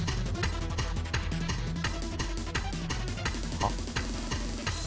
はっ？